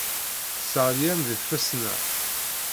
Tesseɣli-am deg tfesna.